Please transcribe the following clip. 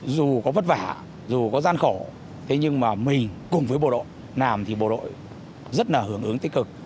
dù có vất vả dù có gian khổ thế nhưng mà mình cùng với bộ đội làm thì bộ đội rất là hưởng ứng tích cực